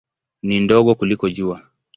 Ni ndogo kuliko Jua.